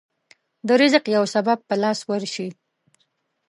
د رزق يو سبب په لاس ورشي.